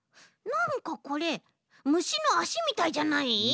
なんかこれむしのあしみたいじゃない？